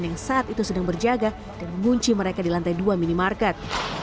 yang saat itu sedang berjaga dan mengunci mereka di lantai dua minimarket